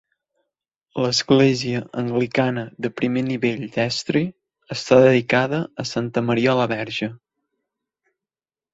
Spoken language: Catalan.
L'església anglicana de primer nivell d'Eastry, està dedicada a Santa Maria la Verge.